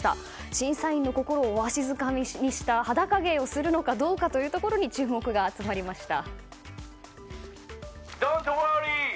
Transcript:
審査員の心をわしづかみにした裸芸をするのかどうかが注目が集まりました。